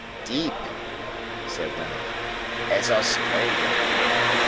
"Deep," said Wemmick, "as Australia."